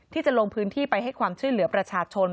ที่จะลงพื้นที่ไปให้ความช่วยเหลือประชาชน